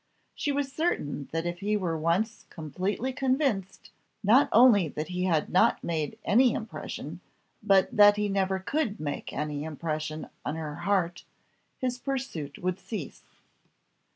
She was certain that if he were once completely convinced, not only that he had not made any impression, but that he never could make any impression, on her heart, his pursuit would cease.